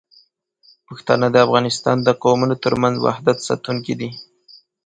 پښتانه د افغانستان د قومونو ترمنځ وحدت ساتونکي دي.